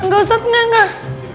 gak usah tengah gak